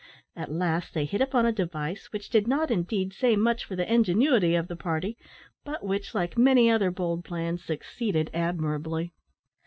At last they hit upon a device, which did not, indeed, say much for the ingenuity of the party, but which, like many other bold plans, succeeded admirably.